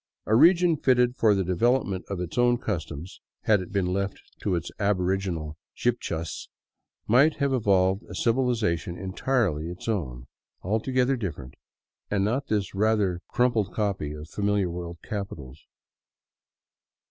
A region fitted for the development of its own customs, had it been left to its aboriginal Chibchas it might have evolved a civiliza tion entirely its own, altogether different, and not this rather crumpled copy of famihar world capitals.